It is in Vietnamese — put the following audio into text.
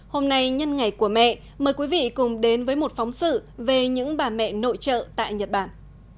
hôm nay nhân ngày của mẹ mời quý vị cùng đến với một phóng sự về những bà mẹ nội trợ tại nhật bản